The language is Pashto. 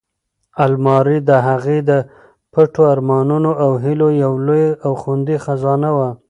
المارۍ د هغې د پټو ارمانونو او هیلو یوه لویه او خوندي خزانه وه.